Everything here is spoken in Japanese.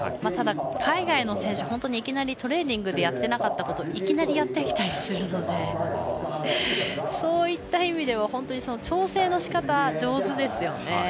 ただ、海外の選手はトレーニングでやっていなかったことをいきなりやってきたりするのでそういった意味では調整のしかた、上手ですよね。